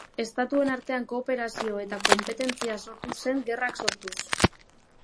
Estatuen artean kooperazioa eta konpetentzia sortu zen gerrak sortuz.